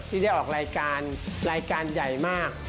ที่ได้ออกรายการรายการใหญ่มาก